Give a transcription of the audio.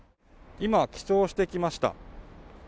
今記帳してきました。